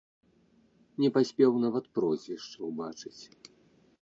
Не паспеў нават прозвішча ўбачыць.